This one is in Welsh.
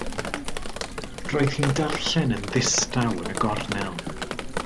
Roedd hi'n darllen yn ddistaw yn y gornel.